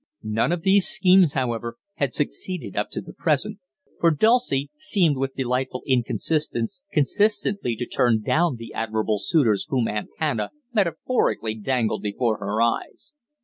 None of these schemes, however, had succeeded up to the present, for Dulcie seemed with delightful inconsistence consistently to "turn down" the admirable suitors whom Aunt Hannah metaphorically dangled before her eyes.